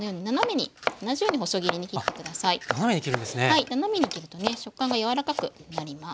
はい斜めに切るとね食感が柔らかくなります。